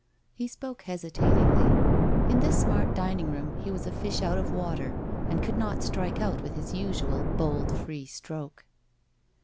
He spoke hesitatingly. In this smart dining room he was a fish out of water, and could not strike out with his usual bold, free stroke.